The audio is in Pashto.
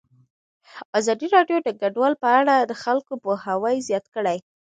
ازادي راډیو د کډوال په اړه د خلکو پوهاوی زیات کړی.